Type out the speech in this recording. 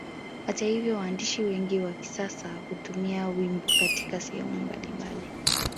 Hata hivyo waandishi wengi wa kisasa hutumia wimbo Katika sehemu mbalimbali